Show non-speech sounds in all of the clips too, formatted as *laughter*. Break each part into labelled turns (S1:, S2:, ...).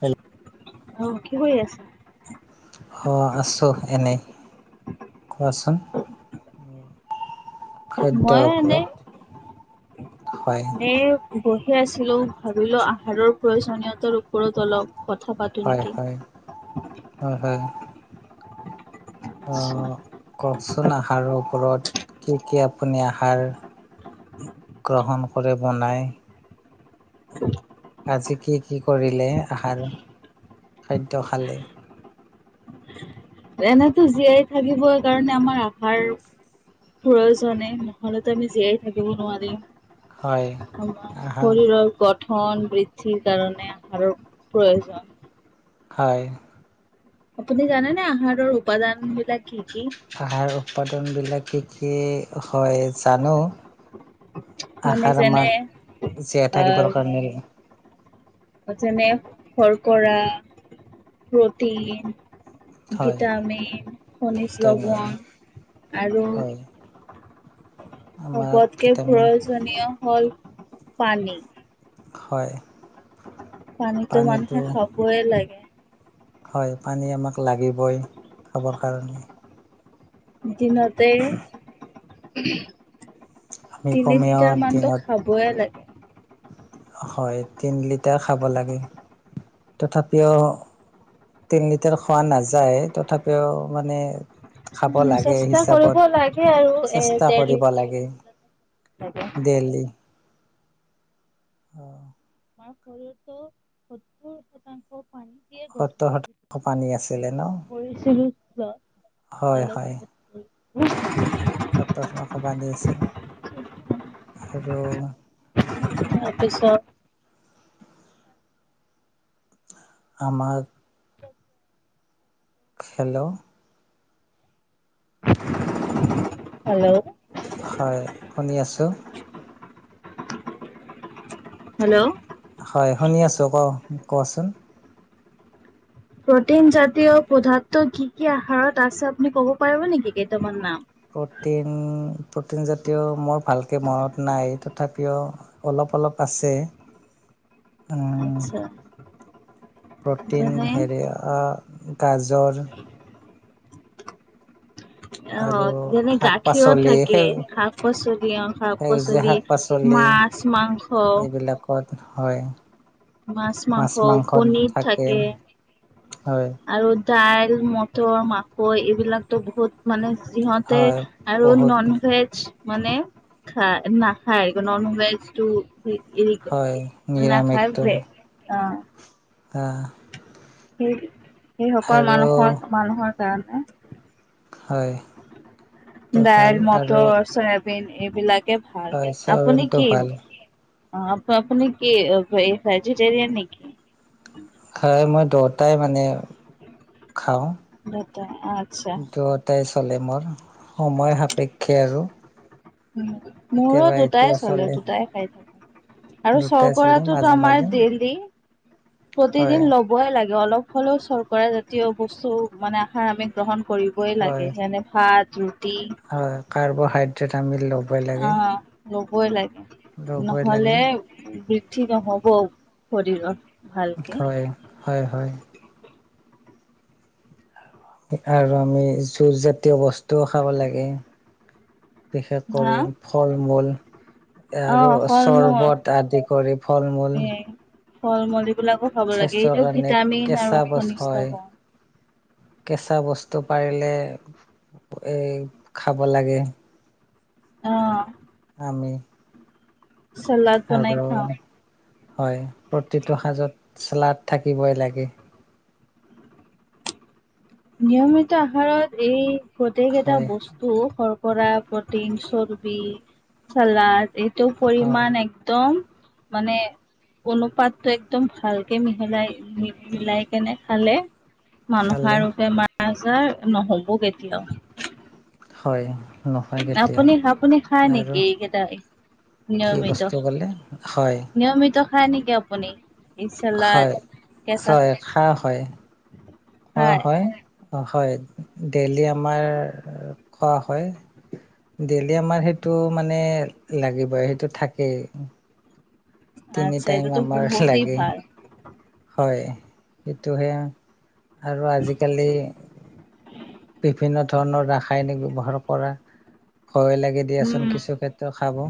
S1: Hello
S2: অ কি কৰি আছ
S1: অঁ আছোঁ এনেই কোৱাচোন খাদ্য পৰত
S2: দে বহি আছিলো ভাবিলো আহাৰৰ প্ৰয়োজনীয়তাৰ ওপৰত অলপ কথা পাতো
S1: হয়
S2: নেকি
S1: হয়
S2: আচ্ছা,
S1: আহ কওকচোন আহাৰৰ ওপৰত কি কি আপুনি আহাৰ গ্ৰহণ কৰে বনাই আজি কি কি কৰিলে আহাৰ খাদ্য খালে?
S2: এনেতো জীয়াই থাকিবৰ কাৰণে আমাৰ আহাৰ প্ৰয়োজনে নহলেতো আমি জীয়াই থাকিব
S1: হয়
S2: নোৱাৰিম।
S1: আহাৰ
S2: শৰীৰৰ ক ধন বৃদ্ধিৰ কাৰণে আহাৰৰ প্ৰয়োজন।
S1: হয়।
S2: আপুনি জানেনে আহাৰৰ উপাদান বিলাক কি কি?
S1: আহাৰ উৎপাদনবিলাক কি কি হয় জানো।
S2: মানে
S1: আশাৰ
S2: যেনে
S1: আমাক জীয়াই থাকিবৰ
S2: আহ
S1: কাৰণে
S2: যেনে শৰ্কৰা প্ৰটিন।
S1: হয়
S2: ভিটামিন খনিজ
S1: ভিটামিন
S2: লগন। আৰু
S1: হয় আমাক
S2: চবতকৈ
S1: ভিটামিন
S2: প্ৰয়োজনীয় হল পানী।
S1: হয়
S2: পানীতো মানুহে
S1: পানীটো
S2: খাবয়ই লাগে।
S1: হয় পানী আমাক লাগিবই খাবৰ কাৰণে।
S2: দিনতে
S1: আমি
S2: তিনি
S1: কমেও
S2: লিটাৰ মানটো
S1: দিনত
S2: খাবয়ে লাগে।
S1: হয় তিন লিটাৰ খাব লাগে তথাপিও তিনি লিটাৰ খোৱা নাযায় তথাপিও মানে খাব
S2: উম,
S1: লাগে
S2: চেষ্টা কৰিব
S1: হিচাপত
S2: লাগে আৰু এ
S1: চেষ্টা
S2: ডেৰ
S1: কৰিব
S2: লিটাৰ দুই
S1: লাগে।
S2: লিটাৰ লাগে।
S1: দেলি অ
S2: আমাৰ শৰীৰতো সত্তৰ শতাংশ পানী দিয়ে গঠিত।
S1: সত্তৰ শতাংশ পানী আছিলে ন।
S2: পঢ়িছিলোঁ
S1: হয় হয়
S2: *unintelligible*
S1: সত্তৰ শতাংশ পানী আছিল আৰু
S2: তাৰপিছত
S1: আমাৰ হেল্ল
S2: হেল্ল'
S1: হয় শুনি আছোঁ
S2: হেল্ল'
S1: হয় শুনি আছো ক কোৱাচোন।
S2: প্ৰটিন জাতীয় পদাৰ্থ কি কি আহাৰত আছে আপুনি কব পাৰিব নেকি কেইটামান নাম?
S1: প্ৰ'টিন প্ৰ'টিন জাতীয় মোৰ ভালকৈ মনত নাই তথাপিও অলপ অলপ আছে।
S2: আচ্ছা
S1: প্ৰটিন
S2: যেনে
S1: হেৰি আ গাজৰ আৰু
S2: অ' যেনে
S1: শাক
S2: গাখীৰত
S1: পাচলি
S2: থাকে
S1: সেউ
S2: শাক পাচলি অ' শাক
S1: সেউজীয়া
S2: পাচলি
S1: শাক পাচলি।
S2: মাছ মাংস
S1: এইবিলাকত হয়। মাছ মাংসত থাকে হয়।
S2: আৰু দাইল মটৰ মাকৈ এইবিলাকতো বহুত মানে সিহতে
S1: হয়
S2: আৰু
S1: বহুত
S2: নন ভেজ *unintelligible* মানে খাই নাখায় নন ভেজ টো
S1: হয়
S2: *unintelligible* নাখাই অ
S1: হ
S2: সেই সেইসকল মানুহৰ মানুহৰ কাৰণে।
S1: হয় এইটো ভাল
S2: দাইল
S1: আৰু
S2: মটৰ চয়াবিন এইবিলাক। ভাল
S1: হয়
S2: আপুনি
S1: চয়াবিনটো
S2: কি
S1: ভাল
S2: অ আপুনি কি ভেজিটেৰিয়ান নেকি?
S1: হয় মই দেটাই মানে খাওঁ
S2: দুটা আচ্ছা
S1: ত তাই চলে মোৰ সময় সাপেক্ষে আৰু
S2: মোৰো
S1: কেতিয়াবা
S2: দুটাই
S1: এইটোও
S2: চলে দুটাই খাই থাকে আৰু
S1: দুটাই চলে
S2: চৰ্কটোৰাতো
S1: মাজে
S2: আমাৰ
S1: মাজে
S2: দেইলি
S1: হয়
S2: প্ৰতিদিন ল'বই লাগে অলপ হলেও চৰকাৰে জাতীয় বস্তু মানে আহাৰ আমি গ্ৰহণ কৰিবই
S1: হয়
S2: লাগে যেনে ভাত ৰপ *unintelligible*
S1: হয় কাৰ্বহাইড্ৰে *unintelligible*
S2: অ লবই লাগে
S1: ল'বই লাগে
S2: নহলে বৃদ্ধি নহব শৰীৰৰ
S1: হয় হয় হয় আৰু আমি জুচ জাতীয় বস্তুও খাব লাগে বিশেষ
S2: হা
S1: কৰি ফল মূল
S2: অ
S1: আৰু
S2: ফল মূল
S1: চৰ্বত আদি কৰি ফল মূল
S2: এ ফল মূল এইবিলাকো খাব লাগে
S1: স্বাস্থ্যৰ
S2: এইটো
S1: কাৰণে
S2: ভিটামিন আৰু
S1: কেঁচা বস্তু
S2: ঘনিষ্ট
S1: হয়
S2: বওঁ
S1: কেঁচা বস্তু পাৰিলে এ খাব লাগে
S2: অ
S1: আমি
S2: চালাড বনাই
S1: আৰু
S2: খাওঁ
S1: হয় প্ৰতিটো সাজত চালাড থাকিবই লাগে
S2: নিয়মিত আহাৰত এই প্ৰতেক এটা
S1: হয়
S2: বস্তু কৰা প্ৰটিন চৰ্বি চালাড এইটো
S1: হয়
S2: পৰিমাণ একদম মানে অনুপাতটো একদম ভালকে মিহলাই মিলাই কেনে খালে
S1: খালে
S2: মানুহৰ আজাৰ নহ'ব কেতিয়াও
S1: হয় নহয় কেতিয়াও
S2: আপুনি আপুনি খায় নেকি
S1: আৰু
S2: এইকেইটাই
S1: কি
S2: নিয়মিত
S1: বস্তু ক'লে হয়
S2: নিয়মিত খায় নেকি আপুনি এই চালাড
S1: হয়
S2: কেঁচা
S1: হয় খোৱা হয় খোৱা
S2: খাই
S1: হয় অ হয় ডেইলি আমাৰ খোৱা হয় ডেইলি আমাৰ সেইটো মানে লাগিবই সেইটো থাকেই তিনি
S2: আচ্ছা
S1: টাইম
S2: এইটোতো
S1: আমাৰ
S2: বহুতেই
S1: লাগে
S2: ভাল
S1: সেটোহে আৰু আজি কালি বিভিন্ন ধৰণৰ ৰাসায়নিক ব্যৱহাৰ কৰা ভয় লাগে দিয়াচোন
S2: উম
S1: কিছু ক্ষেত্ৰ খাব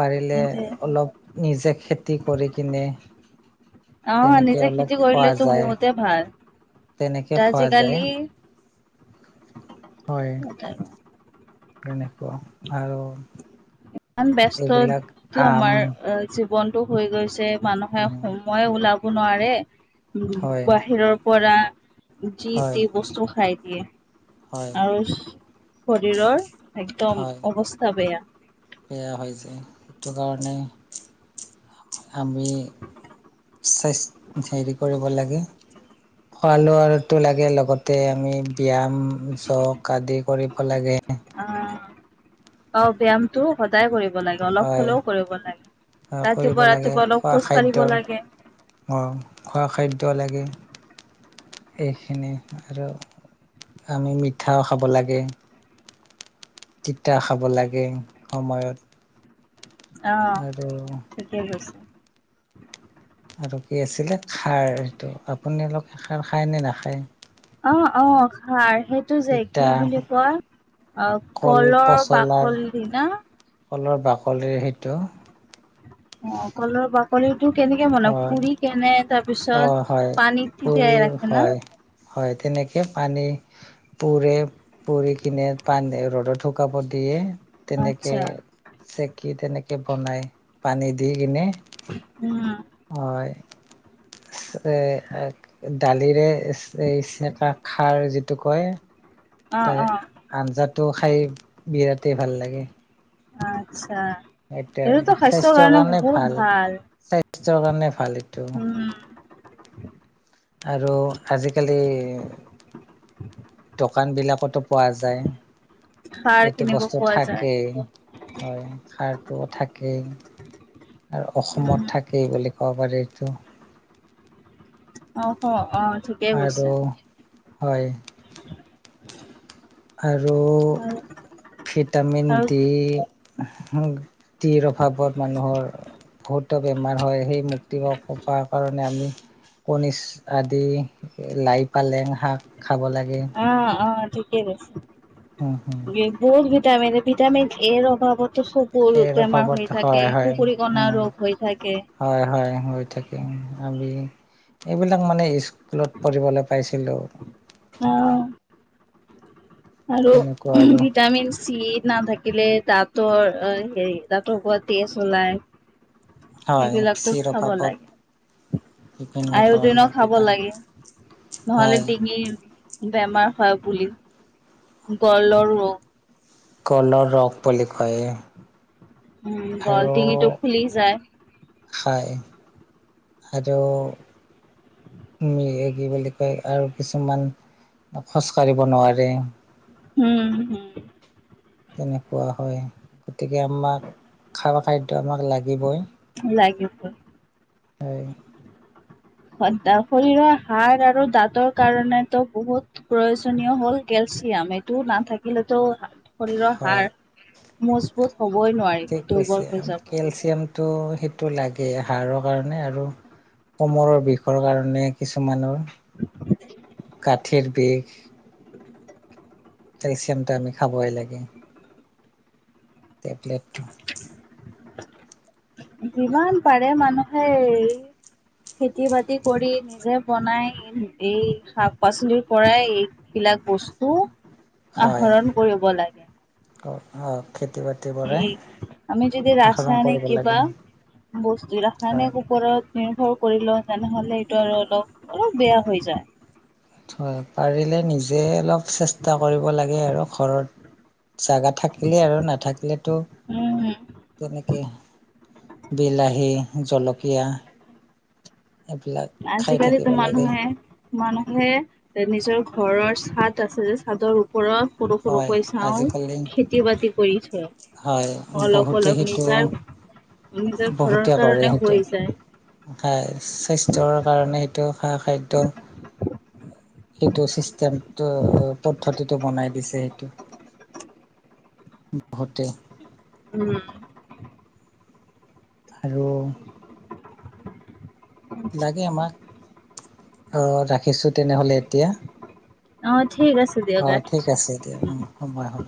S1: পাৰিলে
S2: সেইটোৱে
S1: অলপ নিজে খেতি কৰি কিনে
S2: অ
S1: তেনেকে
S2: নিজে
S1: অলপ খোৱা যায় তেনেকে খোৱা যায়
S2: দাজিকালী এ
S1: এনেকোৱা আৰু
S2: ইমান ব্যস্ত
S1: এইবিলাক আম
S2: আমাৰ জীৱনটো হৈ গৈছে মানুহে
S1: উম,
S2: সময় ওলাব নোৱাৰে। উম
S1: হয়
S2: বাহিৰৰ পৰা জি
S1: হয়
S2: টি বস্তু খাই দিয়ে।
S1: হয়
S2: আৰু শৰীৰৰ একদম
S1: হয়
S2: অৱস্থা বেয়া।
S1: বেয়া হৈ যায়, সেইটো কাৰণে আমি স্বাস্থ্য হেৰি কৰিব লাগে। খোৱা লোৱাতো লাগে লগতে আমি ব্যায়াম, জক আদি কৰিব লাগে।
S2: অ অ ব্যায়ামটো সদায় কৰিব লাগে অলপ
S1: হয়
S2: হলেও কৰিব লাগে।
S1: কৰিব
S2: ৰাতিপুৱা
S1: লাগে
S2: ৰাতিপুৱা অলপ
S1: খোৱা
S2: খোজ কাঢ়িব
S1: খাদ্যৰ
S2: লাগে।
S1: খোৱা খাদ্য লাগে। এইখিনি আৰু আমি মিঠাও খাব লাগে। তিতা খাব লাগে সময়ত
S2: আহ
S1: আৰু
S2: ঠিকেই কৈছে।
S1: আৰু কি আছিলে খাৰ সেইটো, আপুনি লোক খাৰ খায় নে নাখায়?
S2: অ অ খা সেইটো যে কি
S1: তিতা
S2: বুলি কয়
S1: কল
S2: কলৰ
S1: পচলাৰ
S2: বাকলি দিনা
S1: কলৰ বাকলিৰ সেইটো
S2: কলটো কেনেকে বনাব,
S1: হয়
S2: পুৰি কেনে
S1: অ', হয়
S2: তাৰপিছত পানীত
S1: পুৰি
S2: তিয়াই ৰাখে না।
S1: হয় হয় তেনেকে পানী পুৰে পুৰি কিনে পানী ৰ'দত শুকাব দিয়ে। তেনেকে
S2: আচ্ছা
S1: চেকি তেনেকে বনাই পানী দি কিনে।
S2: উম।
S1: হ এ দালিৰে এই চেকা খাৰ যিটো কয়
S2: অ
S1: তাৰে
S2: অ
S1: আঞ্জাটো খাই বিৰাটেই ভাল লাগে।
S2: আচ্ছা, সেইটোতো স্বাস্থ্যৰ কাৰণে বহুত ভাল।
S1: স্বাস্থ্যৰ কাৰণে ভাল এইটো।
S2: উম
S1: আৰু আজিকালি
S2: *inaudible*
S1: দোকান বিলাকতো পোৱা যায়।
S2: সাৰ
S1: এইটো
S2: কিনিব
S1: বস্তু
S2: পোৱা যায়
S1: থাকেই হয় খাৰ। থাকেই আৰু অসমত
S2: উম
S1: থাকেই বুলি ক'ব পাৰি এইটো।
S2: অ অ অ ঠিকেই
S1: আৰু
S2: কৈছে।
S1: হয় আৰু
S2: আৰু
S1: ভিটামিন
S2: আৰু
S1: ডি আ ডিৰ অভাৱত মানুহৰ বহুত বেমাৰ হয়, সেই মুক্তি পা পা কাৰণে আমি কনিছ আদি লাই, পালেং শাক খাব লাগে।
S2: অ অ ঠিকেই
S1: উম হম
S2: কৈছে, বহুত ভিটামিন ভিটামিন এৰ অভাৱত চকুৰ
S1: এইৰ
S2: বেমাৰ
S1: অভাৱত
S2: হৈ
S1: হয়
S2: থাকে,
S1: হয়
S2: কুকুৰী কণা
S1: উম
S2: ৰোগ হৈ থাকে।
S1: হয় হয় হৈ থাকিম আমি এইবিলাক মানে স্কুলত পঢ়িবলৈ পাইছিলো।
S2: হ আৰু
S1: তেনেকুৱা আৰু
S2: ভিটামিন চি নাথাকিলে দাতৰ হেৰি দাতৰ পৰা তেজ ওলাই।
S1: হয়
S2: এইবিলাকতো
S1: চিৰ
S2: খাব
S1: পাপত
S2: লাগে।
S1: বিভিন্ন
S2: আয়ু দিনো
S1: ধৰণৰ
S2: খাব
S1: কিবা
S2: লাগে, নহলে
S1: হয়
S2: ডিঙি বেমাৰ হয় বুলি, গলৰ ৰোগ।
S1: কলৰ ৰখ বুলি কয়
S2: উম বলটিঙিটো খুলি যায়
S1: খায় আৰু কি বুলি কয় আৰু কিছুমান খোজকাঢ়িব নোৱাৰে
S2: হম হম
S1: তেনেকুৱা হয় গতিকে আমাক খোৱা খাদ্য আমাক লাগিবই।
S2: লাগিবৈ
S1: হয়
S2: শৰীৰৰ হাড় আৰু দাঁতৰ কাৰণটো বহুত প্ৰয়োজনীয় হ'ল কেল চিয়াম এইটো নাথাকিলেতো শৰীৰৰ
S1: হয়
S2: হাড় মজবুত হ'বই
S1: ঠিক
S2: নোৱাৰিব
S1: কৈছে
S2: দুৰ্বল হৈ যাব
S1: কেলচিয়ামটো সেইটো লাগে আৰু হাড়ৰ কাৰণে আৰু কোমৰৰ বিষৰ কাৰণে কিছুমানৰ গাঠিৰ বিষ কেলচিয়ামটো আমি খাবই লাগে টেবলেট
S2: যিমান পাৰে মানুহে এই খেতি বাতি কৰি নিজে বনাই এই শাক পাচলিৰ পৰাই এই বিলাক বস্তু
S1: হয়
S2: আহৰণ কৰিব লাগে।
S1: *unintelligible* পৰাই
S2: এই আমি যদি
S1: আহৰণ
S2: ৰাস্তা নি
S1: কৰিব লাগে
S2: কিবা বস্তু
S1: হয়
S2: *unintelligible* উপৰত নিৰ্ভৰ কৰি ল তেনেহলে এইটো আৰু অলপ অলপ বেয়া হৈ যায়
S1: পাৰিলে নিজে অলপ চেষ্টা কৰিব লাগে আৰু ঘৰত জাগা থাকিলে আৰু নাথাকিলেতো
S2: উম
S1: তেনেকে বিলাহী, জলকীয়া এইবিলাক খাই
S2: আজিকালিতো
S1: থাকিব লাগে
S2: মানুহে মানুহে এ নিজৰ ঘৰৰ চাদ আছে যে চাদৰ ওপৰত সৰু
S1: হয়
S2: সৰুকৈ চাওঁ
S1: আজিকালি
S2: খেতি বাতি কৰি থয়।
S1: হয়
S2: অলপ
S1: বহুতে
S2: অলপ
S1: সেইটো
S2: নিজৰ নিজৰ ঘৰৰ
S1: বহুতে কৰে
S2: কাৰণে
S1: সেইটো
S2: হৈ যায়।
S1: খাই স্বাস্থ্যৰ কাৰণে সেইটো খা খাদ্য সেইটো চিষ্টেম পদ্ধতিটো বনাই দিছে সেইটো বহুতে।
S2: উম
S1: আৰু লাগে আমাক আ ৰাখিছোঁ তেনেহলে এতিয়া।
S2: অ ঠিক আছে
S1: অ
S2: দিয়ক ৰাখিছোঁ।
S1: ঠিক আছে দিয়া সময় হ'ল